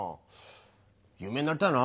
有名になりたいな。